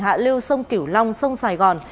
hạ lưu sông kiểu long sông sài gòn